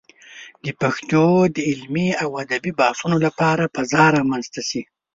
د پښتو د علمي او ادبي بحثونو لپاره فضا رامنځته شي.